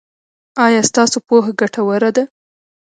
ایا ستاسو پوهه ګټوره ده؟